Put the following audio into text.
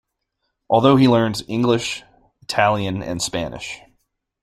Although he learned English, Italian and Spanish.